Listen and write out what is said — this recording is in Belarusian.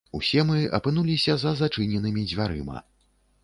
Усе мы апынуліся за зачыненымі дзвярыма.